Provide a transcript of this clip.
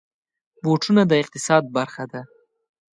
بوټونه د اقتصاد برخه ده.